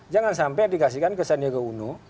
jangan sampai dikasihkan kesannya ke uno